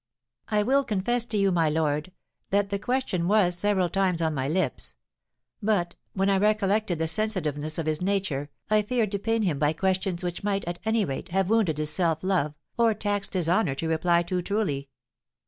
"I will confess to you, my lord, that the question was several times on my lips; but, when I recollected the sensitiveness of his nature, I feared to pain him by questions which might, at any rate, have wounded his self love, or taxed his honour to reply to truly.